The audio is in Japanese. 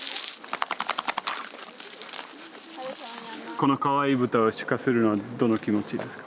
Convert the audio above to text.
このかわいい豚を出荷するのはどんな気持ちですか？